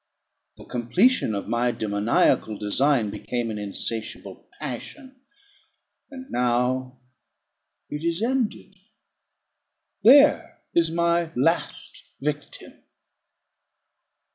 The completion of my demoniacal design became an insatiable passion. And now it is ended; there is my last victim!"